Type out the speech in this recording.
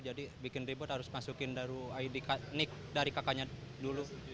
jadi bikin repot harus masukin dari id nic dari kakaknya dulu